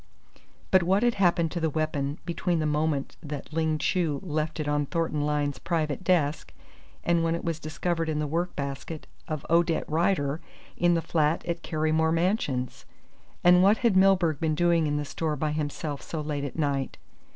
But what had happened to the weapon between the moment that Ling Chu left it on Thornton Lyne's private desk and when it was discovered in the work basket of Odette Rider in the flat at Carrymore Mansions? And what had Milburgh been doing in the store by himself so late at night?